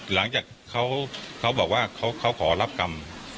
หลังจากเขาบอกว่าเขาขอรับกรรม